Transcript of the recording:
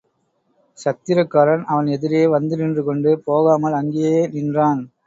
சத்திரக்காரன் அவன் எதிரே வந்து நின்று கொண்டு போகாமல் அங்கேயே நின்றான்.